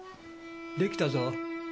できたぞ。